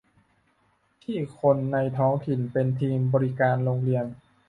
ที่คนในท้องถิ่นเป็นทีมบริการโรงเรียน